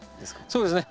そうですね。